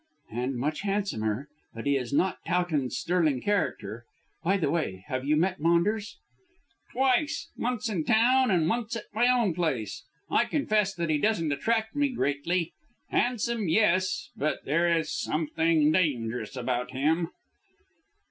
"And much handsomer. But he has not Towton's sterling character. By the way, have you met Maunders?" "Twice. Once in town and once at my own place. I confess that he doesn't attract me greatly. Handsome, yes; but there is something dangerous about him."